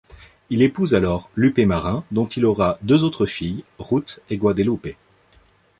Il épouse alors Lupe Marin, dont il aura deux autres filles, Ruth et Guadelupe.